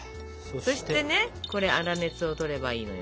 そしてねこれ粗熱をとればいいのよ。